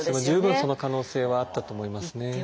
十分その可能性はあったと思いますね。